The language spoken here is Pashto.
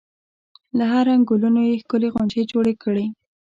له هر رنګ ګلونو یې ښکلې غونچې جوړې کړي.